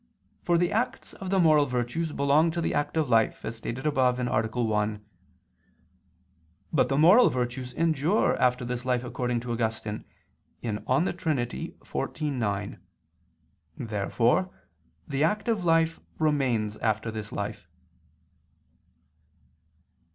For the acts of the moral virtues belong to the active life, as stated above (A. 1). But the moral virtues endure after this life according to Augustine (De Trin. xiv, 9). Therefore the active life remains after this life.